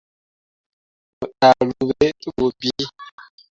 Mo ndahluu be te bu bii.